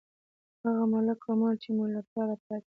هغه ملک او مال، چې مو له پلاره پاتې دى.